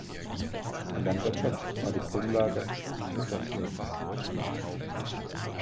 Die Landwirtschaft war die Grundlage des Wirtschaftslebens.